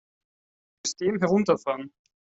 System herunterfahren!